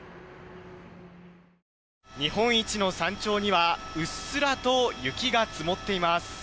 日本一の山頂にはうっすらと雪が積もっています。